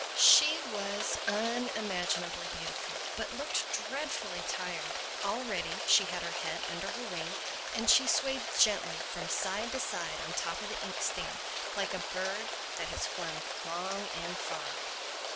She was unimaginably beautiful but looked dreadfully tired. Already she had her head under her wing; and she swayed gently from side to side on top of the ink stand like a bird that has flown long and far.